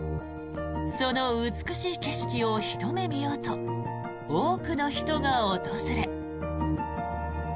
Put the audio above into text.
その美しい景色をひと目見ようと多くの人が訪れ。